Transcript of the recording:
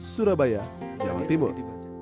surabaya jawa timur